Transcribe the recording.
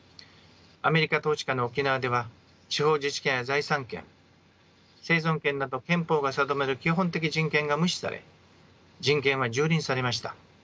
アメリカ統治下の沖縄では地方自治権や財産権生存権など憲法が定める基本的人権が無視され人権は蹂躙されました。